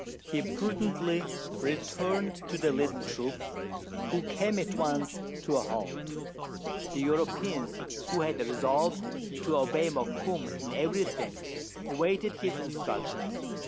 He prudently returned to the little troop, who came at once to a halt. The Euro peans, who had resolved to obey Mokoum in every thing, awaited his instructions.